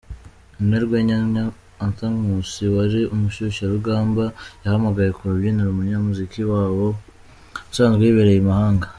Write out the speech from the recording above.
Umunyarwenya Arthur Nkusi wari umushyushyarugamba yahamagaye ku rubyiniro umunyamuziki Babo usanzwe wibereye i mahanga.